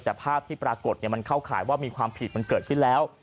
แต่ภาพที่ปรากฏเข้าขายว่ามีความผิดเกิดที่แล้ว